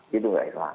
gitu enggak isla